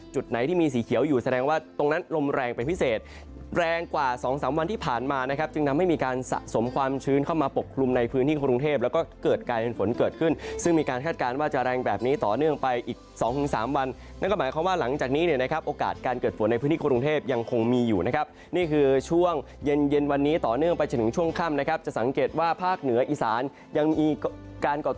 จุดไหนที่มีสีเขียวอยู่แสดงว่าตรงนั้นลมแรงเป็นพิเศษแรงกว่าสองสามวันที่ผ่านมานะครับจึงทำให้มีการสะสมความชื้นเข้ามาปกคลุมในพื้นที่กรุงเทพแล้วก็เกิดกายเป็นฝนเกิดขึ้นซึ่งมีการคาดการณ์ว่าจะแรงแบบนี้ต่อเนื่องไปอีกสองหรือสามวันแล้วก็หมายความว่าหลังจากนี้เนี่ยนะครับโอกาสการ